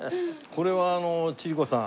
これはあの千里子さん。